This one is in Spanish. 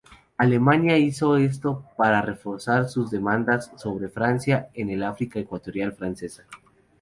Alemania hizo esto para reforzar sus demandas sobre Francia en la África Ecuatorial Francesa.